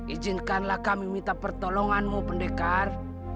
izinkanlah kami minta pertolonganmu pendekar